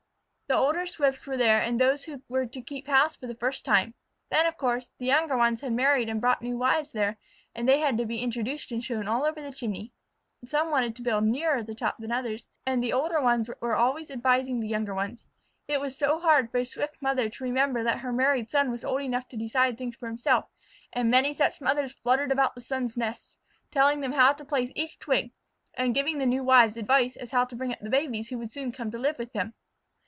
The older Swifts were there and those who were to keep house for the first time. Then, of course, the younger ones had married and brought new wives there, and they had to be introduced and shown all over the chimney. Some wanted to build nearer the top than others, and the older ones were always advising the younger ones. It was so hard for a Swift mother to remember that her married son was old enough to decide things for himself; and many such mothers fluttered around the sons' nests, telling them how to place each twig, and giving the new wives advice as to how to bring up the babies who would soon come to live with them.